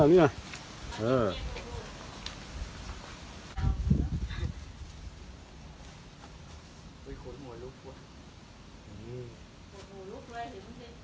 ตอนนี้ก็ไม่มีเวลาให้กลับไป